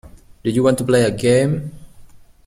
Do you want to play a game.